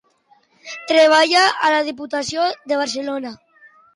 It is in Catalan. Treballa a la Diputació de Barcelona?